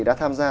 đã tham gia